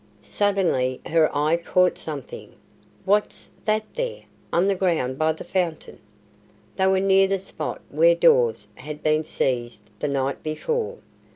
Suddenly her eye caught something. "What's that there, on the ground by the fountain?" They were near the spot where Dawes had been seized the night before.